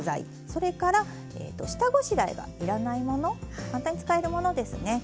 それから下ごしらえが要らないもの簡単に使えるものですね。